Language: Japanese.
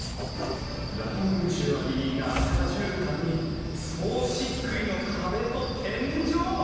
ラグジュアリーな赤じゅうたんに総しっくいの壁と天井！